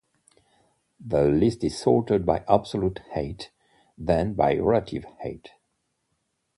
The list is sorted by absolute height, then by relative height.